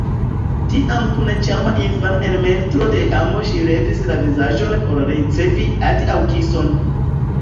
Tiam kun ĉarma infana elmontro de amo ŝi levis la vizaĝon por ricevi adiaŭkison.